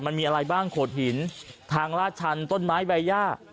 มันมีอะไรบ้างโขดหินทางลาดชันต้นไม้ใบย่า